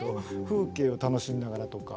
風景を楽しみながらとか。